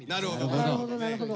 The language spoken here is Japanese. なるほど。